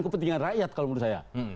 kepentingan rakyat kalau menurut saya